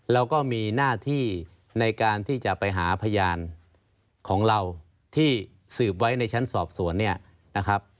แล้วก็มีหน้าที่ในการที่จะไปหาพยานของเราที่สืบไว้ในชั้นสอบสวนเนี่ยนะครับ